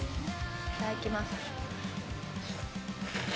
いただきます。